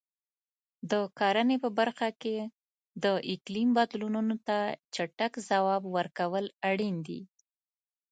د کرنې په برخه کې د اقلیم بدلونونو ته چټک ځواب ورکول اړین دي.